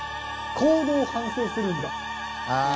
行動を反省するんだ。